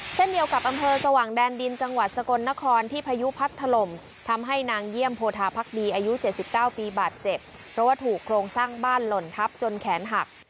เช่นเดียวกับอำเภอสว่างแดนดินจังหวัดสกลนครที่พายุพัดถล่มทำให้นางเยี่ยมโพธาพักดีอายุ๗๙ปีบาดเจ็บเพราะว่าถูกโครงสร้างบ้านหล่นทับจนแขนหัก